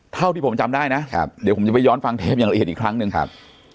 เท่าที่ผมจำได้นะครับเดี๋ยวผมจะไปย้อนฟังเทปอย่างละเอียดอีกครั้งหนึ่งครับ